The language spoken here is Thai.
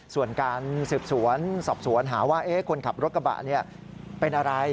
ส่วนการสืบสวนสอบสวนหาว่าคนขับรถกระบะเป็นอะไร